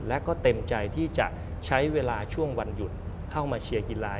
และก็เต็มใจที่จะใช้เวลาช่วงวันหยุดเข้ามาเชียร์กีฬา